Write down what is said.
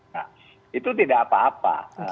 nah itu tidak apa apa